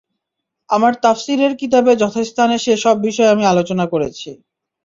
আমার তাফসীরের কিতাবে যথাস্থানে সে সব বিষয়ে আমি আলোচনা করেছি।